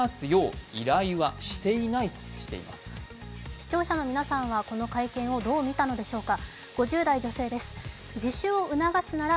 視聴者の皆さんはこの会見どう見たのでしょうか。